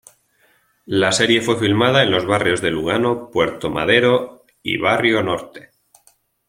La serie fue filmada en los barrios de Lugano, Puerto Madero y Barrio Norte.